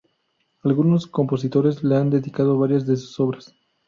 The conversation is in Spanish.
Algunos compositores le han dedicado varias de sus obras.